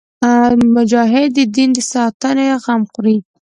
مجاهد د دین د ساتنې غم خوري.